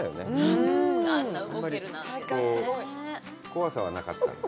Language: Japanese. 怖さはなかったね。